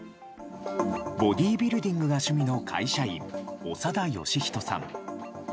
ボディービルディングが趣味の会社員長田好人さん。